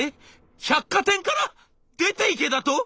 百貨店から出ていけだと？」。